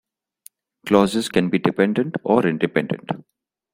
Clauses can be dependent or independent.